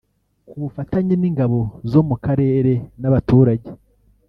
Ku bufatanye n’ingabo zo mu karere n’abaturage